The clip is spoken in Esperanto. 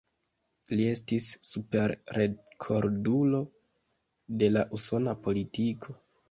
Li estis "Super-rekordulo" de la usona politiko.